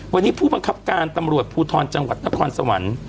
วันนี้ผู้บังคับการตำรวจภูทรจังหวัดนครสวรรค์